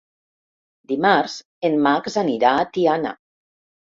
Dimarts en Max anirà a Tiana.